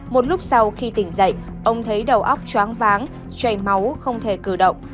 một lúc sau khi tỉnh dậy ông thấy đầu óc choáng váng chảy máu không thể cử động